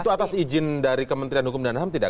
itu atas izin dari kementerian hukum dan ham tidak